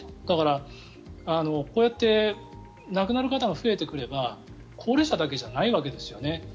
だから、こうやって亡くなる方が増えてくれば高齢者だけじゃないわけですよね。